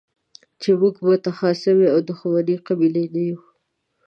چې موږ متخاصمې او دښمنې قبيلې نه يو.